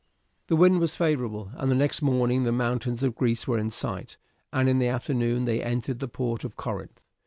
The wind was favourable, and the next morning the mountains of Greece were in sight, and in the afternoon they entered the port of Corinth.